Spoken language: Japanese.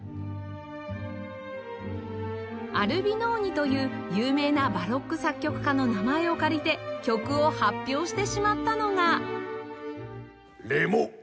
アルビノーニという有名なバロック作曲家の名前を借りて曲を発表してしまったのが